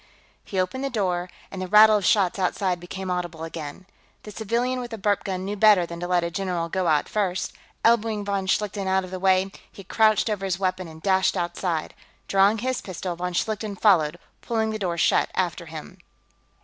He opened the door, and the rattle of shots outside became audible again. The civilian with the burp gun knew better than to let a general go out first; elbowing von Schlichten out of the way, he crouched over his weapon and dashed outside. Drawing his pistol, von Schlichten followed, pulling the door shut after him.